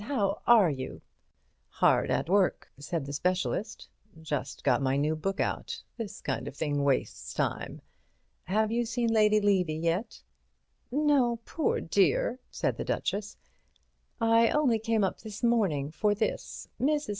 "How are you?" "Hard at work," said the specialist. "Just got my new book out. This kind of thing wastes time. Have you seen Lady Levy yet?" "No, poor dear," said the Duchess. "I only came up this morning, for this. Mrs.